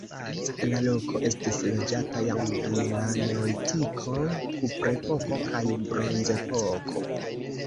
La loko estis loĝata jam dum la neolitiko, kuprepoko kaj bronzepoko.